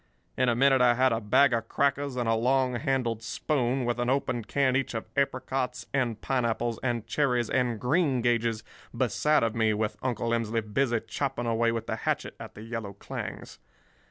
In a minute I had a bag of crackers and a long handled spoon, with an open can each of apricots and pineapples and cherries and greengages beside of me with Uncle Emsley busy chopping away with the hatchet at the yellow clings.